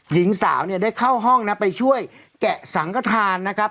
หญิงสาวเนี่ยได้เข้าห้องนะไปช่วยแกะสังขทานนะครับ